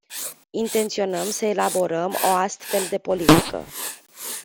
Intenționăm să elaborăm o astfel de politică.